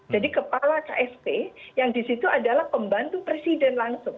jadi kepala ksp yang di situ adalah pembantu presiden langsung